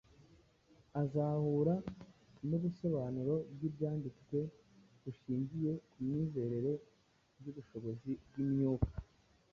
Azahura n’ubusobanuro bw’ibyanditswe bushingiye ku myizerere y’ubushobozi bw’imyuka